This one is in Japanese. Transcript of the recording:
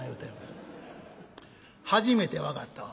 「初めて分かったわ。